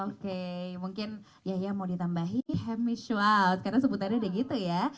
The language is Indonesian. oke mungkin yahya mau ditambahi hemish wow karena sebutannya udah gitu ya